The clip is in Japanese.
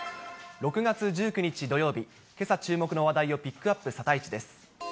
６月１９日土曜日、けさ注目の話題をピックアップ、サタイチです。